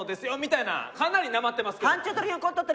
かなりなまってますけど。